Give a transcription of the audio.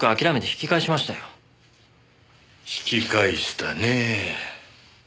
引き返したねぇ。